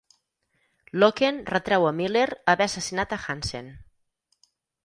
Locken retreu a Miller haver assassinat a Hansen.